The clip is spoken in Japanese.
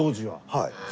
はい。